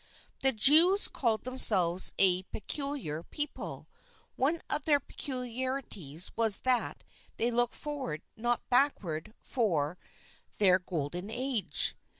The Jews called themselves a "peculiar people." One of their peculiarities was that they looked forward not backward for their :mtm INTRODUCTION golden age.